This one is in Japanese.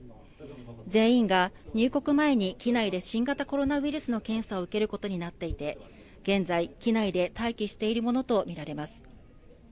全員が入国前に機内で新型コロナウイルスの検査を受けることになっていて現在、機内で待機しているものとみられます。